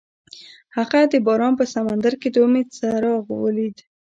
هغه د باران په سمندر کې د امید څراغ ولید.